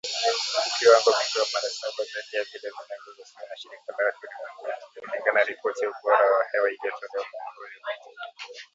Huku viwango vikiwa mara saba zaidi ya vile vinavyoruhusiwa na Shirika la Afya Ulimwenguni, kulingana na ripoti ya ubora wa hewa iliyotolewa mwaka uliopita.